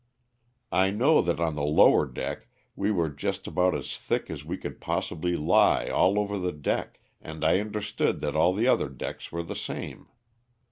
I know that on the lower deck we were just about as thick as we could possibly lie all over the deck, and I understood that all the other decks were the same.